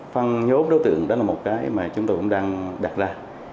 phân nhốt đối tượng đó là một cái mà chúng tôi cũng đang đặt ra